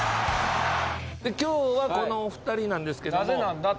今日はこの２人なんですけど。